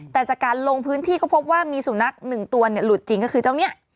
แต่จากการลงพื้นที่ก็พบว่ามีสุนัขหนึ่งตัวหลุดจริงก็คือเจ้าเนี่ย